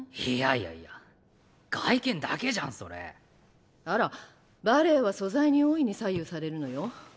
いやいや外見だけじゃんそれあらバレエは素材に大いに左右されるのよ。